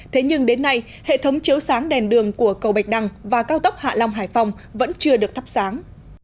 thế nhưng đến nay hệ thống chiếu sáng đèn đường của cầu bạch đăng và cao tốc hạ long hải phòng vẫn chưa được thắp sáng